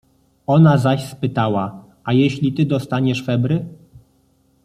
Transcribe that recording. Ona zaś spytała: — A jeśli ty dostaniesz febry?